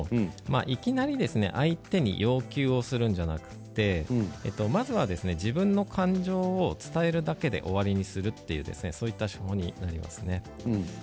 いきなり相手に要求するんじゃなくってまずは自分の感情を伝えるだけで終わりにするという手法になります。